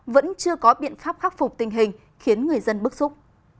vẫn chưa có biện pháp khắc phục tình hình khiến người dân bức xúc